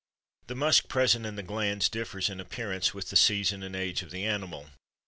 The musk present in the glands differs in appearance with the season and the age of the animal.